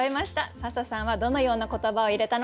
笹さんはどのような言葉を入れたのか教えて下さい。